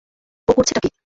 ও করছেটা কী?